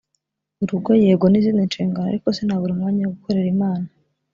urugo yego ni izindi nshingano ariko sinabura umwanya wo gukorera Imana